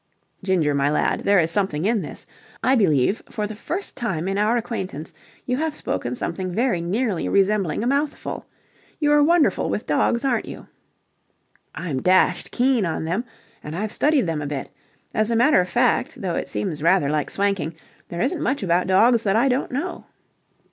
Ginger, my lad, there is something in this. I believe for the first time in our acquaintance you have spoken something very nearly resembling a mouthful. You're wonderful with dogs, aren't you?" "I'm dashed keen on them, and I've studied them a bit. As a matter of fact, though it seems rather like swanking, there isn't much about dogs that I don't know."